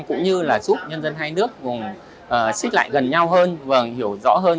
cũng như là giúp nhân dân hai nước cùng xích lại gần nhau hơn và hiểu rõ hơn